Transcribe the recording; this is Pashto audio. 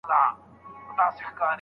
ستا نوم ته یې لیکمه چی منې یې او که نه